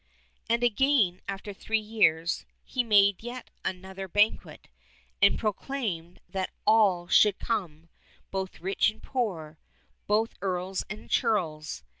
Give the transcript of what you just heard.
And again, after three years, he made yet another banquet, and proclaimed that all should come, both rich and poor, both earls and churls.